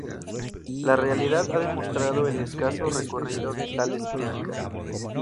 La realidad ha demostrado el escaso recorrido de tales críticas.